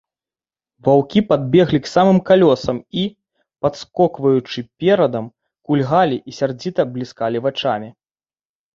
Ваўкі падбеглі к самым калёсам і, падскокваючы перадам, кульгалі і сярдзіта бліскалі вачамі.